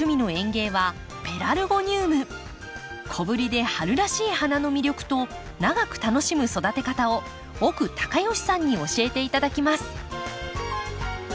小ぶりで春らしい花の魅力と長く楽しむ育て方を奥隆善さんに教えていただきます。